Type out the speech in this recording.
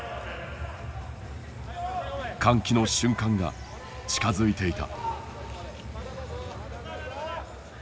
歓喜の瞬間が近づいていた。